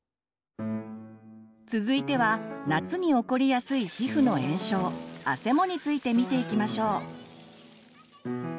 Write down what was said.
続いては夏に起こりやすい皮膚の炎症「あせも」について見ていきましょう。